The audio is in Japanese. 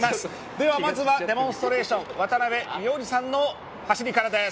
ではまずはデモンストレーション渡辺良治さんの走りからです。